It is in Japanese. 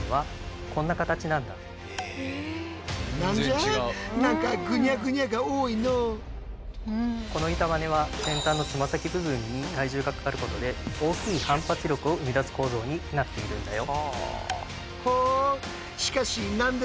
一方僕たちがこの板バネは先端のつま先部分に体重がかかることで大きい反発力を生み出す構造になっているんだよ。